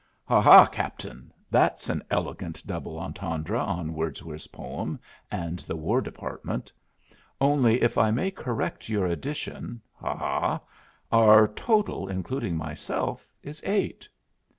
"Ha! ha, Captain! That's an elegant double entendre on Wordsworth's poem and the War Department. Only, if I may correct your addition ha! ha! our total, including myself, is eight."